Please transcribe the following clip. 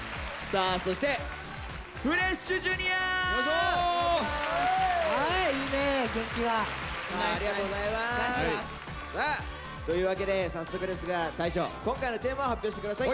さあというわけで早速ですが大昇今回のテーマを発表して下さい。